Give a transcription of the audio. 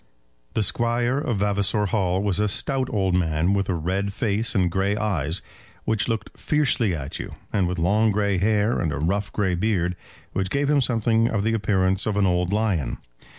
The Squire of Vavasor Hall was a stout old man, with a red face and grey eyes, which looked fiercely at you, and with long grey hair, and a rough grey beard, which gave him something of the appearance of an old lion.